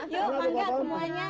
yuk bangga semuanya